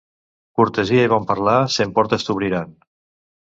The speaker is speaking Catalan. Cortesia i bon parlar cent portes t'obriran.